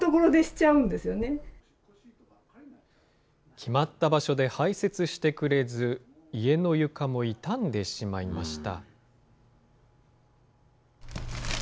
決まった場所で排せつしてくれず、家の床も傷んでしまいました。